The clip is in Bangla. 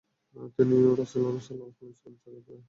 তিনিও রাসূলুল্লাহ সাল্লাল্লাহু আলাইহি ওয়াসাল্লামের চাচাত ভাই।